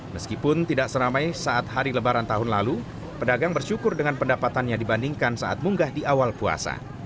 meskipun tidak seramai saat hari lebaran tahun lalu pedagang bersyukur dengan pendapatannya dibandingkan saat munggah di awal puasa